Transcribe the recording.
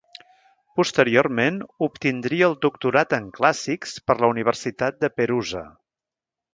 Posteriorment obtindria el Doctorat en clàssics per la Universitat de Perusa.